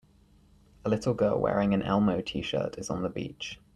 A little girl wearing an Elmo tshirt is on the beach.